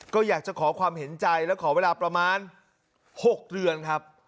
ก็อยากจะขอความเห็นใจและขอเวลาประมาณ๖เดือนครับ